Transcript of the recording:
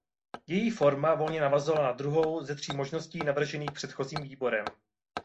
Její forma volně navazovala na druhou ze tří možností navržených předchozím výborem.